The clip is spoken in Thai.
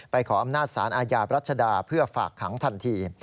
ขออำนาจสารอาญาบรัชดาเพื่อฝากขังทันที